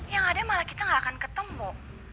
yang ada malah kita gak akan ketemu